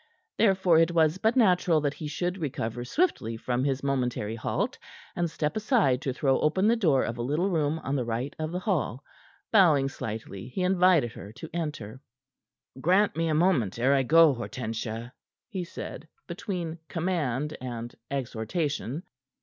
Therefore, it was but natural that he should recover swiftly from his momentary halt, and step aside to throw open the door of a little room on the right of the hall. Bowing slightly, he invited her to enter. "Grant me a moment ere I go, Hortensia," he said, between command and exhortation.